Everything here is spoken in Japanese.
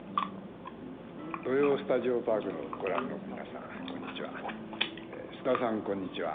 「土曜スタジオパーク」をご覧の皆さん、こんにちは。